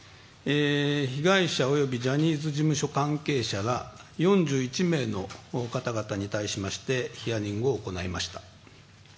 被害者及びジャニーズ事務所関係者ら４１名の方々に対しましてヒアリングを行いました。